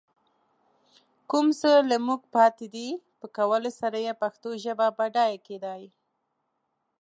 کوم څه له موږ پاتې دي، په کولو سره يې پښتو ژبه بډايه کېدای